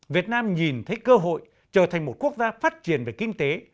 việt nam nhìn thấy cơ hội trở thành một quốc gia phát triển về kinh tế